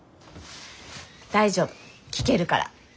大丈夫聞けるから。